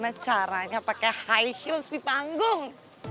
bagaimana caranya pake high heels di panggung